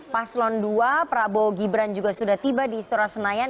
paslon dua prabowo gibran juga sudah tiba di istora senayan